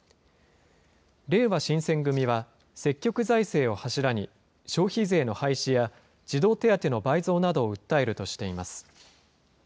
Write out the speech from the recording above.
れいわ新選組は、積極財政を柱に、消費税の廃止や児童手当の倍増などを訴えるとしています。